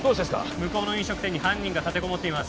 向こうの飲食店に犯人が立てこもっています